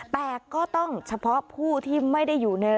แต่ก็ต้องเฉพาะผู้ที่ไม่ได้อยู่ใน